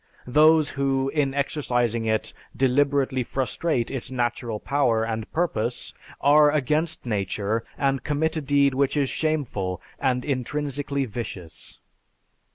Those who, in exercising it, deliberately frustrate its natural power, and purpose, are against nature and commit a deed which is shameful and intrinsically vicious."